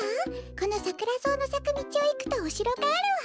このサクラソウのさくみちをいくとおしろがあるわ。